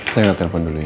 saya nge telepon dulu ya